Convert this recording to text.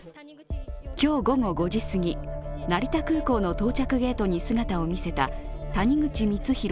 今日午後５時すぎ、成田空港の到着ゲートに姿を見せた谷口光弘